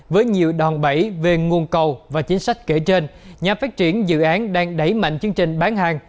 với nhiều đòn bẫy về nguồn cầu và chính sách kể trên nhà phát triển dự án đang đẩy mạnh chương trình bán hàng